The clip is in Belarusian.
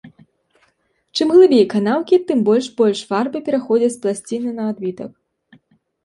Чым глыбей канаўкі, тым больш больш фарбы пераходзіць з пласціны на адбітак.